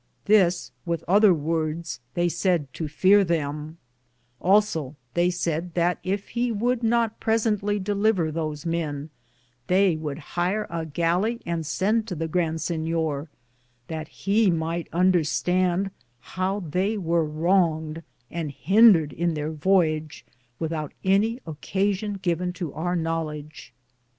This, with other wordes, they sayed to feare them ; also theye sayd that yf he would not presently deliver those men, they would hier a gallie and send to the Grand Sinyor, that he might understand how they wear wronged and hindred in their voyege without any occation given to our knowledge.